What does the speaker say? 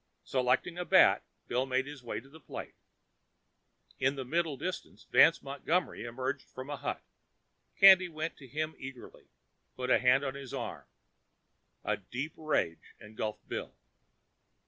Selecting a bat, Bill made his way to the plate. In the middle distance, Vance Montgomery emerged from a hut. Candy went to him eagerly, put a hand on his arm. A deep rage engulfed Bill.